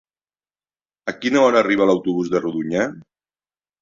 A quina hora arriba l'autobús de Rodonyà?